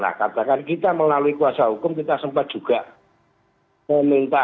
nah katakan kita melalui kuasa hukum kita sempat juga meminta